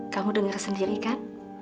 kamu denger sendiri kan